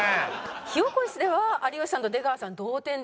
火おこしでは有吉さんと出川さん同点で並んでます。